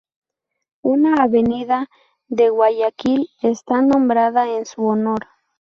Una avenida de Guayaquil está nombrada en su honor.